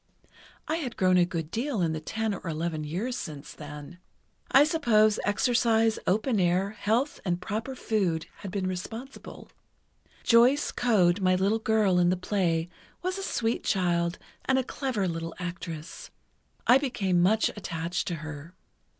I had grown a good deal in the ten or eleven years since then. I suppose exercise, open air, health and proper food, had been responsible. Joyce Coad, my little girl in the play, was a sweet child, and a clever little actress. I became much attached to her.